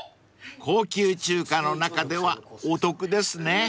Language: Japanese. ［高級中華の中ではお得ですね］